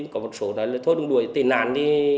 có một số nói là thôi đừng đuổi tên nàn đi